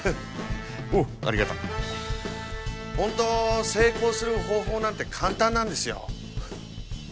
おおありがとうホント成功する方法なんて簡単なんですよ